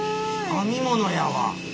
編み物やわ。